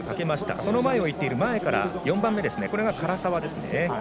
その前を行っている前から４番目が唐澤ですね。